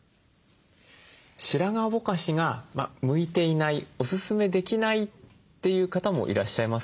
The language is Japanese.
白髪ぼかしが向いていないおすすめできないという方もいらっしゃいますか？